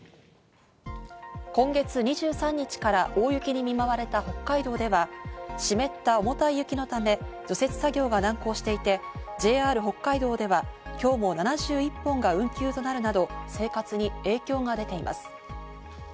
今月２３日から大雪に見舞われた北海道では湿った重たい雪のため除雪作業が難航していて、ＪＲ北海道では今日も７１本が運休となるなど、生活に影響が出ています。